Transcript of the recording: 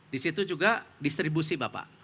disitu juga distribusi bapak